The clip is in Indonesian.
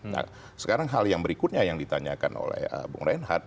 nah sekarang hal yang berikutnya yang ditanyakan oleh burung renhat bagaimana persepsi dari kutip